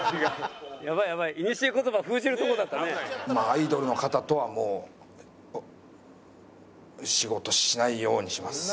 アイドルの方とはもう仕事しないようにします。